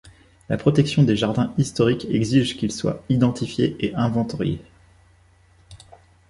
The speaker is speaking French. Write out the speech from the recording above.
La protection des jardins historiques exige qu'ils soient identifiés et inventoriés.